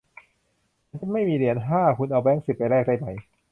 ฉันไม่มีเหรียญห้า คุณเอาแบงค์สิบไปแลกได้ไหม